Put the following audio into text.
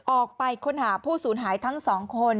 ออกไปค้นหาผู้สูญหายทั้ง๒คน